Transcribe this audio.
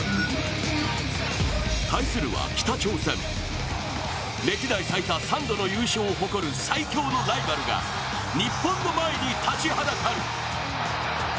対するは北朝鮮、歴代最多３度の優勝を誇る最強のライバルが日本の前に立ちはだかる。